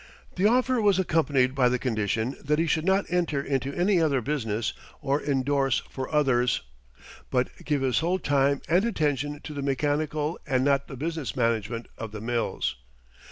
The offer was accompanied by the condition that he should not enter into any other business or endorse for others, but give his whole time and attention to the mechanical and not the business management of the mills.